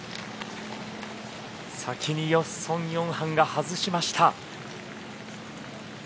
先にソン・ヨンハンが外しました。